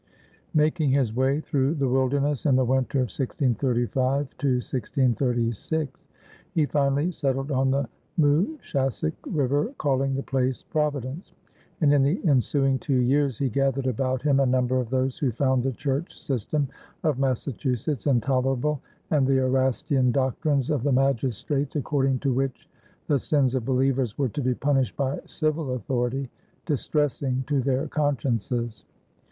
Making his way through the wilderness in the winter of 1635 1636, he finally settled on the Mooshassuc River, calling the place Providence; and in the ensuing two years he gathered about him a number of those who found the church system of Massachusetts intolerable and the Erastian doctrines of the magistrates, according to which the sins of believers were to be punished by civil authority, distressing to their consciences.